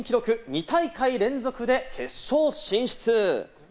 ２大会連続で決勝進出。